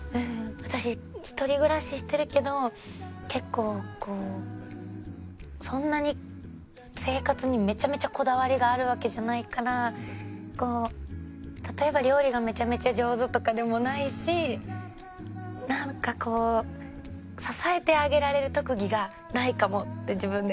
私一人暮らししてるけど結構こうそんなに生活にめちゃめちゃこだわりがあるわけじゃないから例えば料理がめちゃめちゃ上手とかでもないしなんかこう支えてあげられる特技がないかもって自分で。